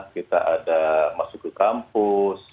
kita ada masuk ke kampus